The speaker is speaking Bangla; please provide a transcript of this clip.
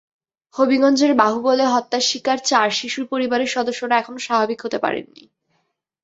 হবিগঞ্জের বাহুবলে হত্যার শিকার চার শিশুর পরিবারের সদস্যরা এখনো স্বাভাবিক হতে পারেননি।